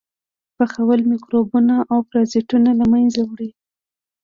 پخول میکروبونه او پرازیټونه له منځه وړي.